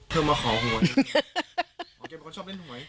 เพื่อมาขอหวย